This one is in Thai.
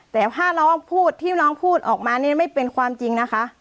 แต่ถ้าน้องพูดที่น้องพูดออกมานี่ไม่เป็นความจริงนะคะ